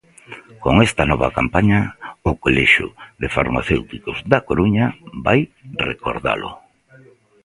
Con esta nova campaña o colexio de farmacéuticos da Coruña vai recordalo.